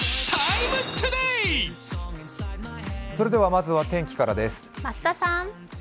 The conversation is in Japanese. まずは天気からです。